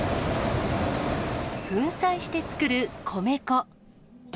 粉砕して作る米粉。